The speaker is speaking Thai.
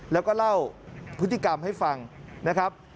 แล้วก็เล่าพฤติกรรมให้ฟังนะครับ